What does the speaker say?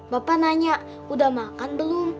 bapak nanya udah makan belum